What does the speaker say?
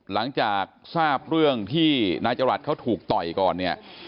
หลังจากทราบเรื่องที่นายจรัสเขาถูกต่อยก่อนเนี่ย